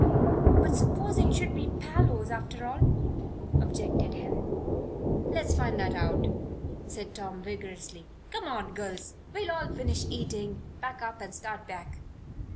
"But suppose it should be Parloe's after all?" objected Helen. "Let's find that out," said Tom, vigorously. "Come on, girls. We'll finish eating, pack up, and start back.